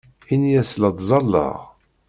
Ini-as la ttẓallaɣ.